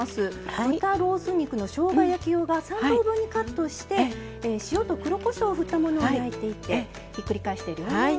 豚ロース肉のしょうが焼き用が３等分にカットして塩と黒こしょうをふったものを焼いていってひっくり返してる。